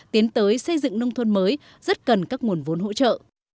tiến tới xây dựng nông thôn mới rất cần các nguồn vốn hỗ trợ